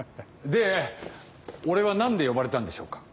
で俺は何で呼ばれたんでしょうか？